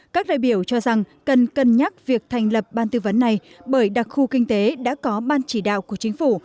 các đại biểu cho rằng cần cân nhắc việc thành lập ban tư vấn này bởi đặc khu kinh tế đã có ban chỉ đạo của chính phủ